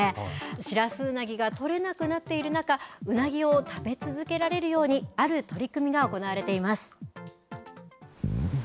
シラスウナギが取れなくなっている中、ウナギを食べ続けられるように、ある取り組みが行われています。